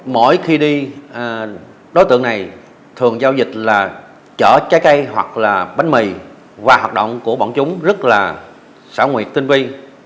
mỗi khi đi đối tượng này thường giao dịch là chở trái cây hoặc là bánh mì và hoạt động của bọn chúng rất là xảo nguyệt tinh vi